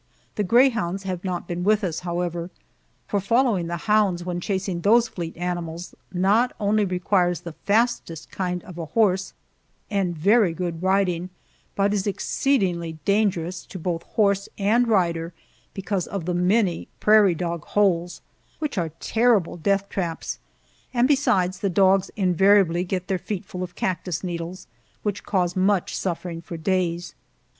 The greyhounds have not been with us, however, for following the hounds when chasing those fleet animals not only requires the fastest kind of a horse and very good riding, but is exceedingly dangerous to both horse and rider because of the many prairie dog holes, which are terrible death traps. And besides, the dogs invariably get their feet full of cactus needles, which cause much suffering for days.